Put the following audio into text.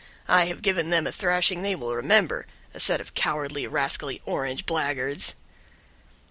I have given them a thrashing they will remember; a set of cowardly, rascally 'orange' blackguards."